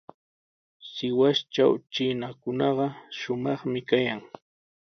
Sihuastraw chiinakunaqa shumaqmi kayan.